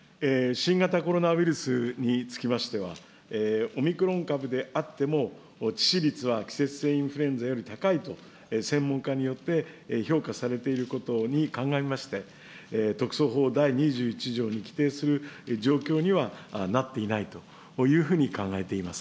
新型コロナウイルスにつきましては、オミクロン株であっても、致死率は季節性インフルエンザと高いと専門家によって評価されていることに鑑みまして、特措法第２１条に規定する状況にはなっていないというふうに考えています。